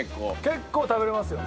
結構食べられますよ。